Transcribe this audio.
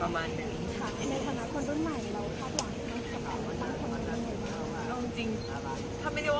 ในฐานะคนรุ่นใหม่เราคาดหวังว่าจะเป็นคนรุ่นใหม่